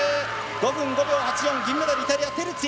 ５分５秒８４銀メダル、イタリアのテルツィ。